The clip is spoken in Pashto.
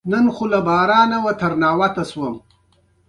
د نقرس لپاره د کومې میوې اوبه وڅښم؟